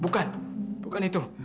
bukan bukan itu